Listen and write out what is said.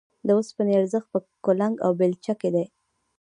د اوسپنې ارزښت په کلنګ او بېلچه کې دی